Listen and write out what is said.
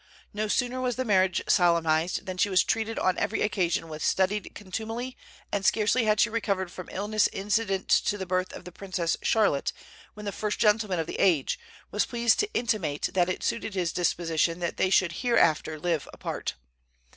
No sooner was the marriage solemnized, than she was treated on every occasion with studied contumely, and scarcely had she recovered from illness incident to the birth of the Princess Charlotte, when the "first gentleman of the age" was pleased to intimate that it suited his disposition that they should hereafter live apart.